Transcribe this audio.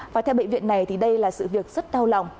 và theo bệnh viện này thì đây là sự việc rất đau lòng